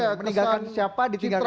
meninggalkan siapa ditinggalkan siapa